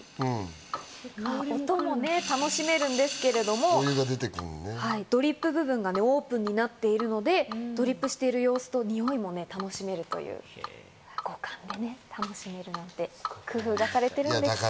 音も楽しめるんですけど、ドリップ部分がオープンになっているので、ドリップしている様子も楽しめるということで、五感で楽しめるので工夫がされています。